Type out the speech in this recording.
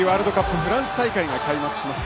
フランス大会が開幕します。